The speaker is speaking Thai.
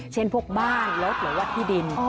เช่นพวกบ้านรถหรือว่าที่ดิน